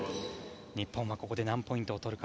日本はここで何ポイントとるか。